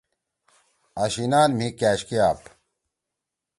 آشینان مھی کأش کے آپ۔ ہے